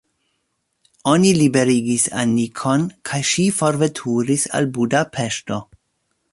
Oni liberigis Anikon, kaj ŝi forveturis al Budapeŝto.